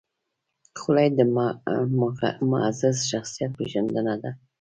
خولۍ د معزز شخصیت پېژندنه ده.